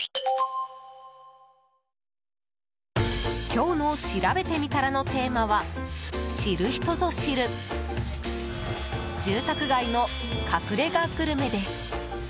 今日のしらべてみたらのテーマは知る人ぞ知る住宅街の隠れ家グルメです。